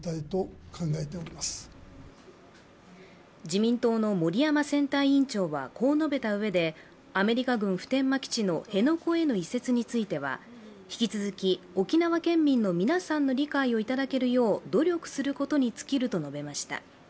自民党の森山選対委員長はこう述べたうえでアメリカ軍普天間基地の辺野古への移設については、引き続き沖縄県民の皆さんの理解をいただけるよう努力することに尽きると述べました。